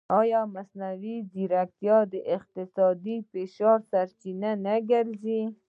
ایا مصنوعي ځیرکتیا د اقتصادي فشار سرچینه نه ګرځي؟